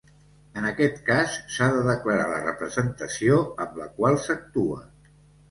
En aquest cas, s'ha de declarar la representació amb la qual s'actua.